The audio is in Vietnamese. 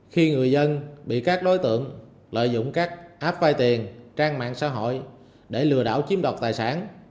khi người dân bị các đối tượng lợi dụng các app vay tiền trang mạng xã hội để lừa đảo chiếm đoạt tài sản